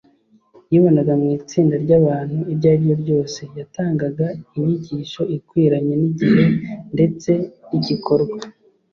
. Yibonaga mu itsinda ry’abantu iryo ariryo ryose, Yatangaga inyigisho ikwiranye n’igihe ndetse n’igikorwa.